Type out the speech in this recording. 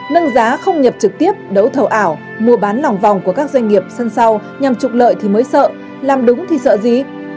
nâng giá không nhập trực tiếp đấu thầu ảo mua bán lòng vòng của các doanh nghiệp sân sau nhằm trục lợi thì mới sợ làm đúng thì sợ gì